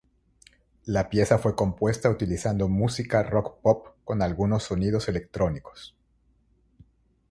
La pieza fue compuesta utilizando música rock-pop con algunos sonidos electrónicos.